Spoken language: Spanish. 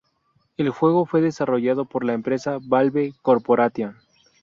El juego fue desarrollado por la empresa Valve Corporation.